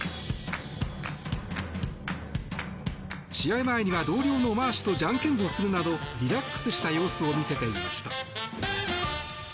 試合前には同僚のマーシュとじゃんけんをするなどリラックスした様子を見せていました。